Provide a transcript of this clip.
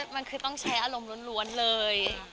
มันคือต้องใช้อารมณ์ล้วนเลย